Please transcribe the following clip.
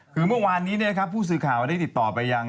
คือเมื่อวานนี้ผู้สื่อข่าวได้ติดต่อไปยัง